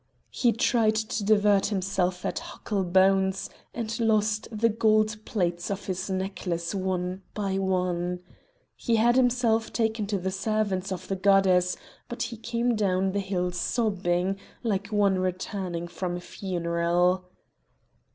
He tried to divert himself at huckle bones, and lost the gold plates of his necklace one by one. He had himself taken to the servants of the Goddess; but he came down the hill sobbing, like one returning from a funeral.